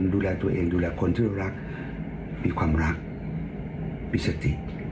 ดูแลตัวเองดูแลคนที่รักมีความรักมีสติ